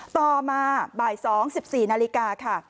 ต่อมาบ่าย๒๑๔นาฬิกาค่ะ